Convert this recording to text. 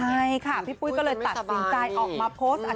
ใช่ค่ะพี่ปุ้ยก็เลยตัดสินใจออกมาโพสต์